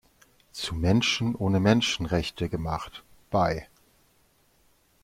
Zu Menschen ohne Menschenrechte gemacht“ bei.